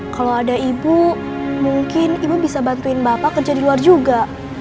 kalau ada ibu mungkin ibu bisa bantuin bapak kerja di luar juga